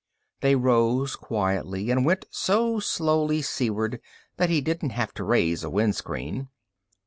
They rose quietly, and went so slowly seaward that he didn't have to raise a wind screen.